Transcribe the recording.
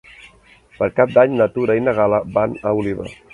Per Cap d'Any na Tura i na Gal·la van a Oliva.